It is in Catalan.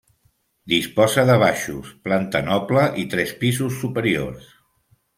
Disposa de baixos, planta noble i tres pisos superiors.